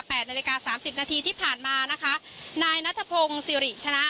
นาฬิกาสามสิบนาทีที่ผ่านมานะคะนายนัทพงศ์สิริชนะ